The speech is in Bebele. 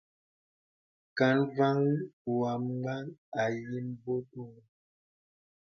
Kan mvìəŋ wàghà ayìnə bɔ̄t ōō.